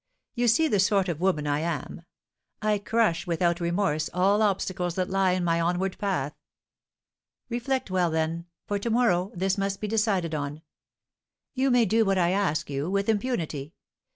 You see the sort of woman I am: I crush without remorse all obstacles that lie in my onward path. Reflect well, then, for to morrow this must be decided on. You may do what I ask you with impunity.